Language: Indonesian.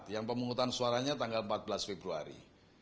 yang pemungutan suaranya tanggal empat belas februari